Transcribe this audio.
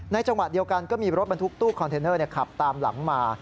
จังหวะเดียวกันก็มีรถบรรทุกตู้คอนเทนเนอร์ขับตามหลังมา